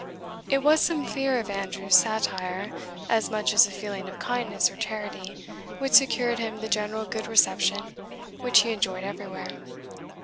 It was some fear of Andrew's satire, as much as a feeling of kindness or charity, which secured him the general good reception which he enjoyed everywhere.